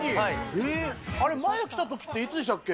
えー、あれ、前来たときっていつでしたっけ？